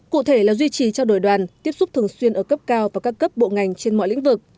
cụ thể là duy trì trao đổi đoàn tiếp xúc thường xuyên ở cấp cao và các cấp bộ ngành trên mọi lĩnh vực